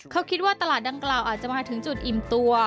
เขาคิดว่าตลาดดังกล่าวอาจจะมาถึงจุดอิ่มตัว